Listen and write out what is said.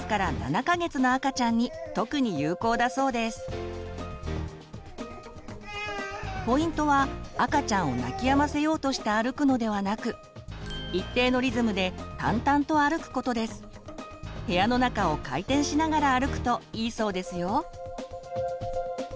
この方法はポイントは赤ちゃんを泣きやませようとして歩くのではなく部屋の中を回転しながら歩くといいそうですよ。